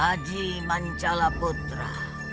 aji mancala putra